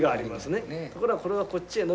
ところがこれはこっちへ伸びていく。